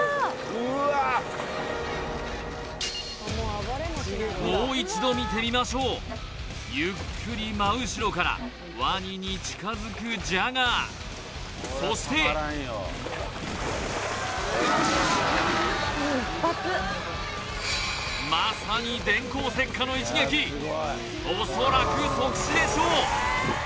うわっもう一度見てみましょうゆっくり真後ろからワニに近づくジャガーそしてまさに電光石火の一撃恐らく即死でしょう